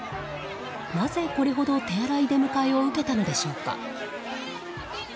なぜ、これほど手荒い出迎えを受けたのでしょうか。